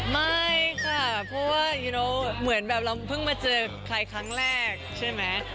ไม่ค่ะเพราะว่าจริงแล้วเหมือนแบบเราเพิ่งมาเจอใครครั้งแรกใช่ไหม